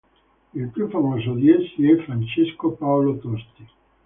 Il più famoso di essi è Francesco Paolo Tosti.